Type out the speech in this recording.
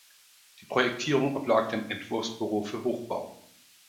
Die Projektierung oblag dem Entwurfsbüro für Hochbau.